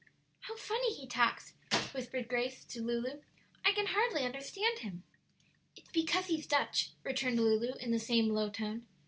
"How funny he talks," whispered Grace to Lulu; "I can hardly understand him." "It's because he's Dutch," returned Lulu, in the same low tone.